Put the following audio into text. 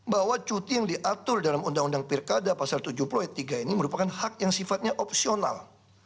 bahwa cuti yang diatur dalam undang undang pirkada pasal tujuh puluh ayat tiga ini merupakan hak yang sifatnya opsional